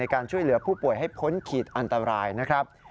การช่วยเหลือผู้ป่วยให้พ้นขีดอันตรายนะครับ